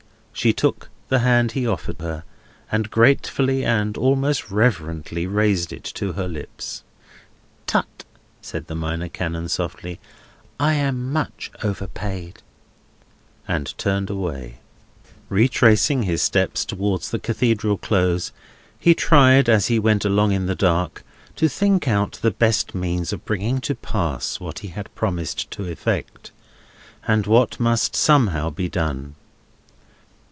She took the hand he offered her, and gratefully and almost reverently raised it to her lips. "Tut!" said the Minor Canon softly, "I am much overpaid!" and turned away. [Illustration: Mr. Crisparkle is overpaid] Retracing his steps towards the Cathedral Close, he tried, as he went along in the dark, to think out the best means of bringing to pass what he had promised to effect, and what must somehow be done.